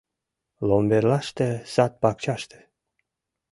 «Ломберлаште, сад-пакчаште...